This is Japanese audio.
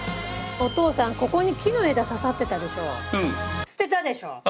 お父さん、ここに木の枝ささってたでしょ？